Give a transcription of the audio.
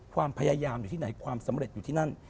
ความพยายามอยู่ที่ไหนความสำเร็จอยู่ที่นั่น